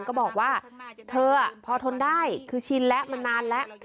ก็บอกว่าเธอพอทนได้คือชินแล้วมันนานแล้ว